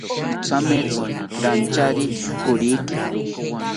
Ithamaetzi rantyari koriki